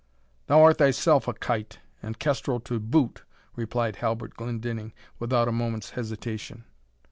"Thou art thyself a kite, and kestrel to boot," replied Halbert Glendinning, without a moment's hesitation.